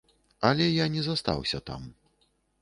Але я не застаўся там.